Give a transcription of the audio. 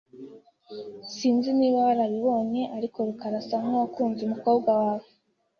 Sinzi niba warabibonye, ariko rukara asa nkuwakunze umukobwa wawe .